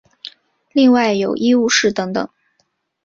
另外有医务室等等。